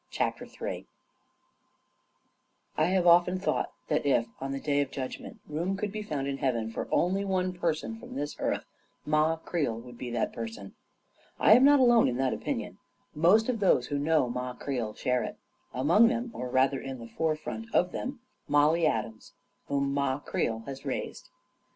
CHAPTER III I have often thought that if, on the Day of Judg ment, room could be found in Heaven for only one person from this earth, Ma Creel would be that person. I am not alone in that opinion. Most of those who know Ma Creel share it, among them — or rather, in the forefront of them — Mollie Adams, whom Ma Creel has raised.